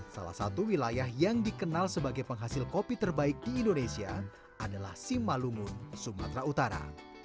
salah satu wilayah yang dikenal sebagai penghasil kopi terbaik di indonesia adalah simalungun sumatera utara